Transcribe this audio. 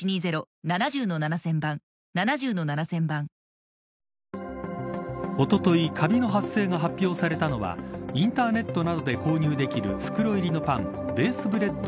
ニトリおとといカビの発生が発表されたのはインターネットなどで購入できる袋入りのパンＢＡＳＥＢＲＥＡＤ